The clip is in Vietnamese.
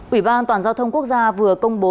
ủy ban an toàn giao thông quốc gia vừa công bố